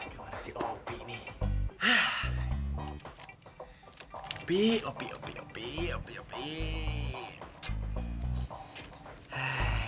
selesai sudah luar biasa